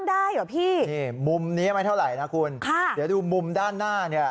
เดี๋ยวดูมุมด้านหน้าเนี่ย